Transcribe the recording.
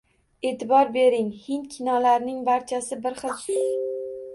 E`tibor bering, hind kinolarining barchasi bir xil syujet va echimga ega